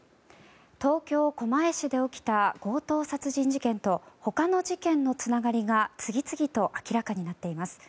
東京・狛江市で起きた強盗殺人事件と他の事件のつながりが次々と明らかになっています。